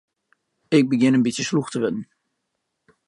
Ik begjin in bytsje slûch te wurden.